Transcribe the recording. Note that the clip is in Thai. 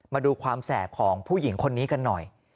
มาดูความแสบของผู้หญิงคนนี้กันหน่อย